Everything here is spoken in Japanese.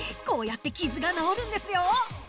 こうやってきずがなおるんですよ！